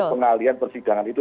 untuk pengalian persidangan itu